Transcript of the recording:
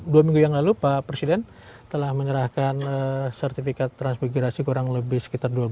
dua minggu yang lalu pak presiden telah menyerahkan sertifikat transmigrasi kurang lebih sekitar dua belas